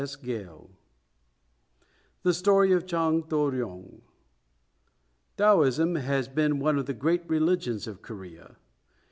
II THE STORY OF CHANG TO RYONG [Taoism has been one of the great religions of Korea.